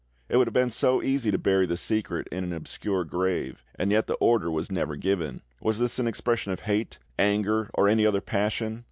It would have been so easy to bury the secret in an obscure grave, and yet the order was never given. Was this an expression of hate, anger, or any other passion?